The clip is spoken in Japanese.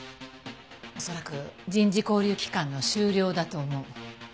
恐らく人事交流期間の終了だと思う。